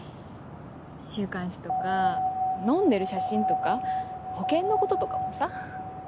週刊誌とか飲んでる写真とか保険のこととかもさ。